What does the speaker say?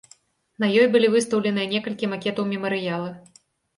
На ёй былі выстаўленыя некалькі макетаў мемарыяла.